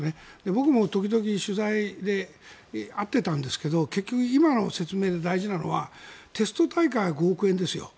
僕も時々取材で会ってたんですけど結局、今の説明で大事なのはテスト大会は５億円ですよ。